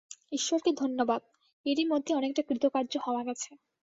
ঈশ্বরকে ধন্যবাদ, এরই মধ্যে অনেকটা কৃতকার্য হওয়া গেছে।